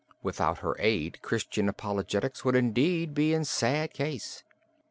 Without her aid Christian apologetics would indeed be in sad case.